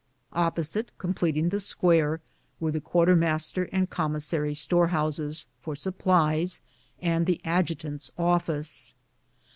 Op posite, completing the square, were the quartermaster and commissary storehouses for supplies and the adju tant's office.